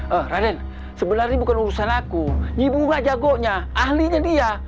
eh raden sebenarnya ini bukan urusan aku nyibunga jagonya ahlinya dia